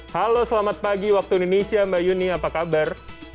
halo selamat pagi waktu indonesia mbak yuni apa kabar